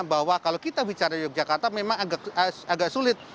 bahwa kalau kita bicara yogyakarta memang agak sulit